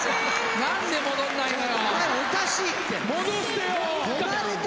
何で戻さないのよ。